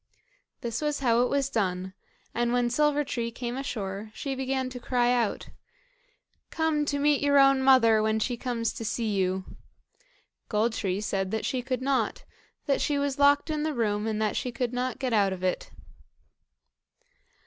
This is how it was done; and when Silver tree came ashore, she began to cry out: "Come to meet your own mother, when she comes to see you." Gold tree said that she could not, that she was locked in the room, and that she could not get out of it.